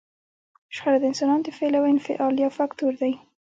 شخړه د انسانانو د فعل او انفعال یو فکتور دی.